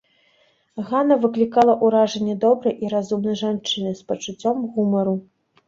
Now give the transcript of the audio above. Ганна выклікала ўражанне добрай і разумнай жанчыны з пачуццём гумару.